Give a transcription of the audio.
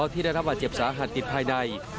ที่ได้รับบาดเจ็บสาหัสติดภายใน